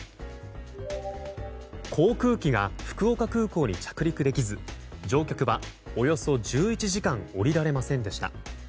航空機が福岡空港に着陸できず乗客はおよそ１１時間降りられませんでした。